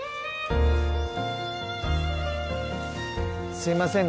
すいませんね